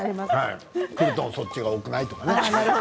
クルトンそっちが多くない？とかね。